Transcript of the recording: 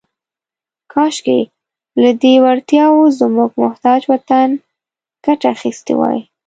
« کاشکې، لهٔ دې وړتیاوو زموږ محتاج وطن ګټه اخیستې وای. »